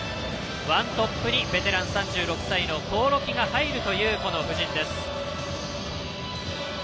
ワントップにベテラン３６歳の興梠が入るという布陣です。